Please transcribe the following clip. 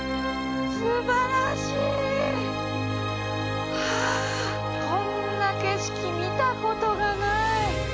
すばらしいこんな景色見たことがない